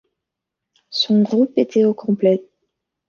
Son groupe était au complet.